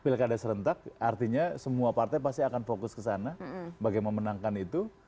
pilkada serentak artinya semua partai pasti akan fokus ke sana bagaimana memenangkan itu